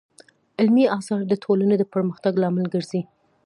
علمي اثار د ټولنې د پرمختګ لامل ګرځي.